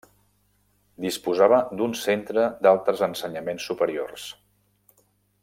Disposava d'un centre d'altres ensenyaments superiors.